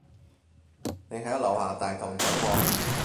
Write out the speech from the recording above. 你喺樓下大堂等我